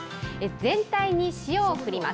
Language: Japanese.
全体に塩をふります。